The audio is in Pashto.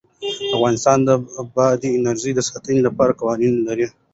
افغانستان د بادي انرژي د ساتنې لپاره قوانین لري.